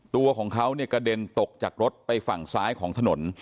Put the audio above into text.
ตัวของเขาเนี่ยกระเด็นตกจากรถไปฝั่งซ้ายของถนน